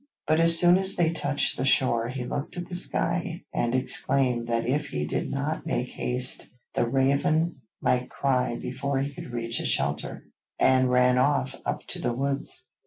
But as soon as they touched the shore he looked at the sky and exclaimed that if he did not make haste the raven might cry before he could reach a shelter, and ran off up to the woods.